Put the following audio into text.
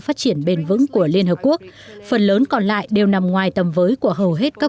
phát triển bền vững của liên hợp quốc phần lớn còn lại đều nằm ngoài tầm với của hầu hết các